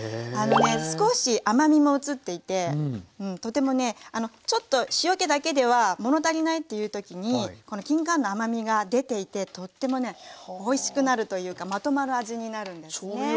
あのね少し甘みも移っていてとてもねあのちょっと塩けだけでは物足りないっていう時にこのきんかんの甘みが出ていてとってもねおいしくなるというかまとまる味になるんですね。